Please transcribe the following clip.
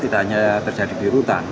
tidak hanya terjadi di rutan